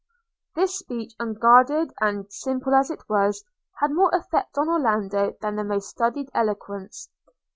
This speech, unguarded and simple as it was, had more effect on Orlando that the most studied eloquence.